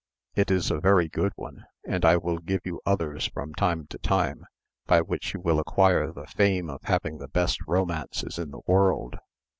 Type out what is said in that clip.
It is a very good one, and I will give you others from time to time, by which you will acquire the fame of having the best romances in the world."